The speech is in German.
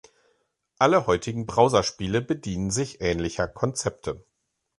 Alle heutigen Browserspiele bedienen sich ähnlicher Konzepte.